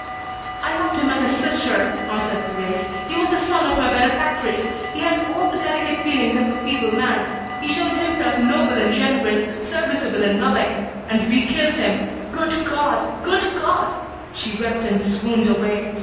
"I loved him as a sister," answered Thérèse. "He was the son of my benefactress. He had all the delicate feelings of a feeble man. He showed himself noble and generous, serviceable and loving. And we killed him, good God! good God!" She wept, and swooned away.